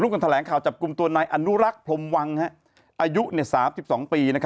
กันแถลงข่าวจับกลุ่มตัวนายอนุรักษ์พรมวังอายุ๓๒ปี